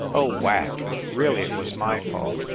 "Oh, Whack, really it was my fault!